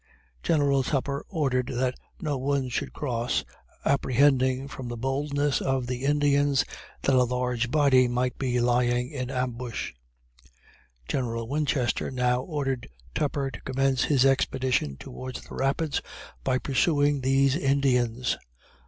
General Tupper ordered that no more should cross, apprehending from the boldness of the Indians that a large body might be lying in ambush. General Winchester now ordered Tupper to commence his expedition towards the Rapids by pursuing these Indians.